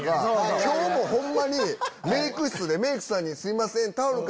今日もホンマにメイク室でメイクさんに。